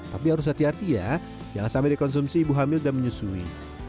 tapi harus hati hati ya jangan sampai dikonsumsi ibu hamil dan menyusui